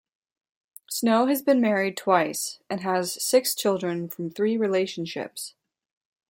Snow has been married twice, and has six children from three relationships.